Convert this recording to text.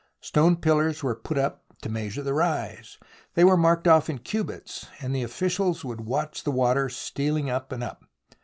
Stone pillars were put up to measure the rise. They were marked off in cubits, and the officials would watch the water stealing up and up.